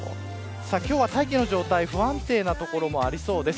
今日は大気の状態が不安定な所もありそうです。